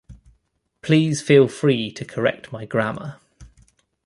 Please feel free to correct my grammar.